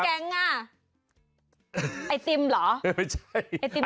ไอติมเหรอไอติมแห้งหรอ